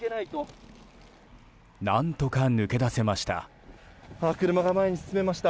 何とか抜け出せました。